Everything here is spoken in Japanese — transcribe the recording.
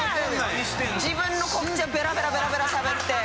自分の告知はベラベラベラベラしゃべって！